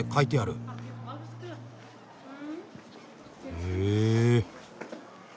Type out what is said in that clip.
へえ。